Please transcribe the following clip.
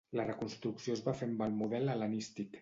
La reconstrucció es va fer amb el model hel·lenístic.